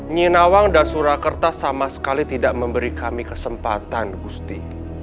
nyinawang dan surakarta sama sekali tidak memberi kami kesempatan gusti